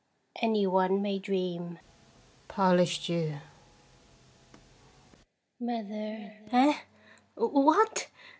'Any one may dream." Polish Jew. Mother. Eh! What?